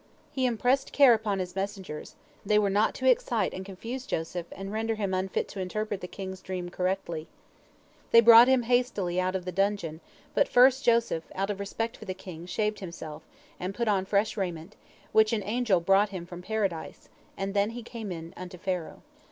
He impressed care upon his messengers, they were not to excite and confuse Joseph, and render him unfit to interpret the king's dream correctly. They brought him hastily out of the dungeon, but first Joseph, out of respect for the king, shaved himself, and put on fresh raiment, which an angel brought him from Paradise, and then he came in unto Pharaoh.